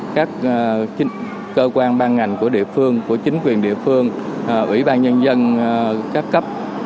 các cơ quan ban ngành của địa phương của chính quyền địa phương ủy ban nhân dân các cấp